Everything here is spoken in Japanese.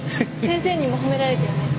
先生にも褒められたよね。